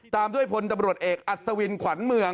ตามด้วยพลตำรวจเอกอัศวินขวัญเมือง